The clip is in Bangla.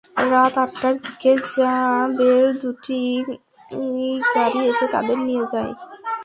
রাত আটটার দিকে র্যা বের দুটি গাড়ি এসে তাঁদের নিয়ে যায়।